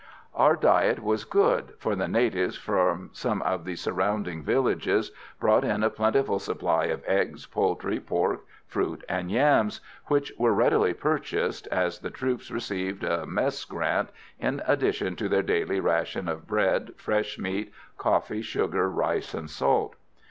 Our diet was good, for the natives from some of the surrounding villages brought in a plentiful supply of eggs, poultry, pork, fruit and yams, which were readily purchased, as the troops received a mess grant in addition to their daily ration of bread, fresh meat, coffee, sugar, rice and salt.